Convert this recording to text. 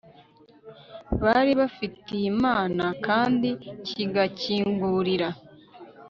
bari bafitiye Imana kandi kigakingurira